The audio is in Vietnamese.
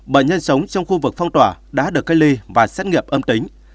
bệnh nhân sống trong khu vực phong tỏa đã được cách ly và xét nghiệm âm tính